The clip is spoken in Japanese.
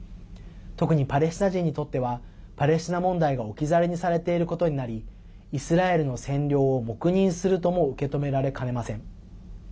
特にパレスチナ人にとってはパレスチナ問題が置き去りにされていることになりイスラエルの占領を黙認するとも受け止められかねません。